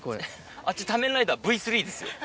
あっち田面ライダーＶ３ですよ。